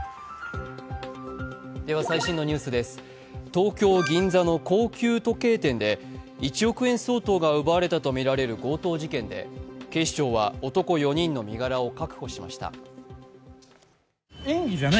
東京・銀座の高級時計店で１億円相当が奪われたとみられる強盗事件で警視庁は男４人の身柄を確保しました。